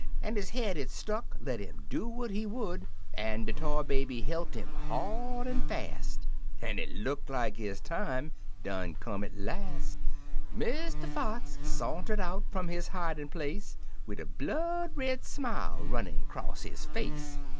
An' his head it stuck, let 'im do what he would — An' de Tar Baby helt 'im hard an' fast. An' it look like his time done come at last: Mr. Fox sa'nter'd out fum his hidin' place, Wid a blood red smile runnin' 'cross his face!